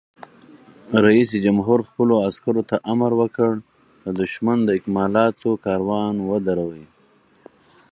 رئیس جمهور خپلو عسکرو ته امر وکړ؛ د دښمن د اکمالاتو کاروان ودروئ!